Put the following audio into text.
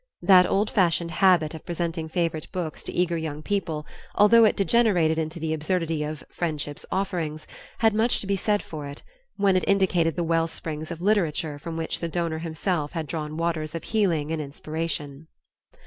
That old fashioned habit of presenting favorite books to eager young people, although it degenerated into the absurdity of "friendship's offerings," had much to be said for it, when it indicated the wellsprings of literature from which the donor himself had drawn waters of healing and inspiration.